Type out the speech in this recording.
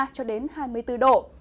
cho đến hai mươi bốn độ